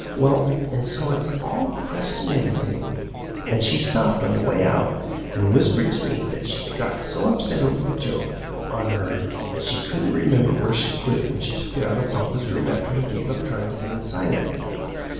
Well, an' so it's all pressed an' ev'ything, an' she stopped on the way out, an' whispered to me that she'd got so upset over the joke on her that she couldn't remember where she put it when she took it out o' papa's room after he gave up tryin' to get inside of it.